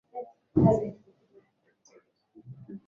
ya dawa za kulevya huanza pia kupungua Mzigo unaosababishwa na alostati